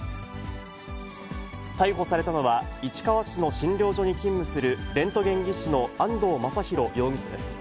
逮捕されたのは、市川市の診療所に勤務するレントゲン技師の、安藤雅大容疑者です。